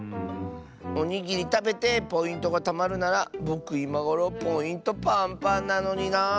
おにぎりたべてポイントがたまるならぼくいまごろポイントパンパンなのにな。